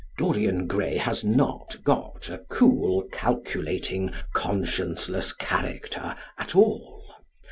Dorian Gray has not got a cool, calculating, conscienceless character at all.